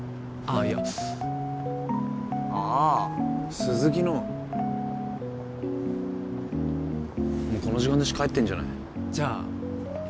ああいやああ鈴木のもうこの時間だし帰ってんじゃないじゃあ